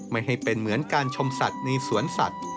ไม่ให้เป็นเหมือนการชมสัตว์ในสวนสัตว์